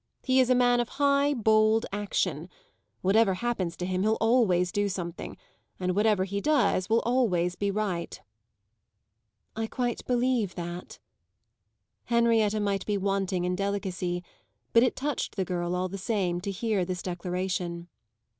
He is a man of high, bold action. Whatever happens to him he'll always do something, and whatever he does will always be right." "I quite believe that." Henrietta might be wanting in delicacy, but it touched the girl, all the same, to hear this declaration.